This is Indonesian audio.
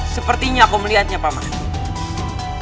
sepertinya aku melihatnya pak mah